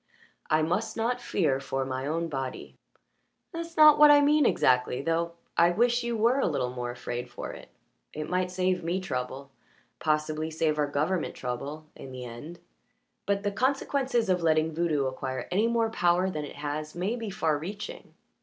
"I must not fear for my own body." "That's not what I mean exactly, though I wish you were a little more afraid for it. It might save me trouble possibly save our government trouble in the end. But the consequences of letting voodoo acquire any more power than it has may be far reaching."